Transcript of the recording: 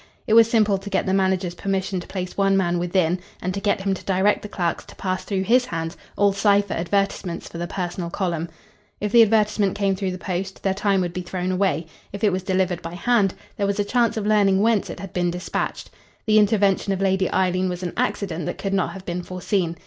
It was simple to get the manager's permission to place one man within, and to get him to direct the clerks to pass through his hands all cipher advertisements for the personal column. If the advertisement came through the post, their time would be thrown away. If it was delivered by hand, there was a chance of learning whence it had been dispatched. The intervention of Lady Eileen was an accident that could not have been foreseen.